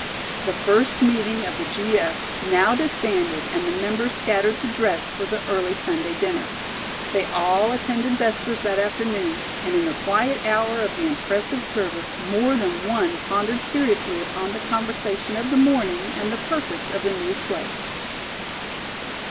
The first meeting of the G. F.'s now disbanded and the members scattered to dress for the early Sunday dinner. They all attended Vespers that afternoon, and in the quiet hour of the impressive service more than one pondered seriously upon the conversation of the morning and the purpose of the new club.